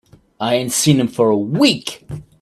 I ain't seen him for a week.